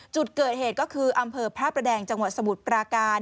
จุดเกิดเหตุก็คืออำเภอพระประแดงจังหวัดสมุทรปราการ